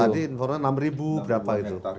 tadi infonya enam ribu berapa itu